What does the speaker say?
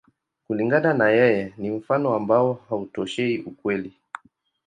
Kulingana na yeye, ni mfano ambao hautoshei ukweli.